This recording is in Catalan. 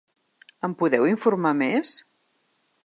Em podeu informar més?